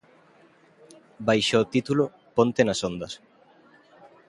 Baixo o título "Ponte nas ondas".